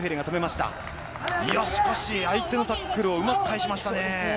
しかし相手のタックルをうまく返しましたね。